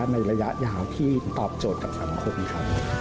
ในระยะยาวที่ตอบโจทย์กับสังคมครับ